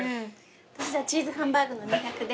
私チーズハンバーグの２００で。